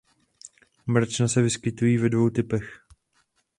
Mračna se vyskytují ve dvou typech.